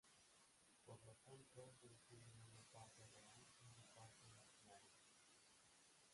Por lo tanto, solo tiene una parte real y no parte imaginaria.